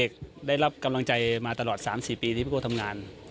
ได้รับกำลังใจมาตลอด๓๔ปีที่พี่โก้ทำงาน